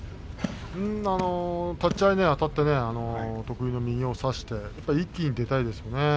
立ち合い、あたってね特に右を差して一気に出たいですよね。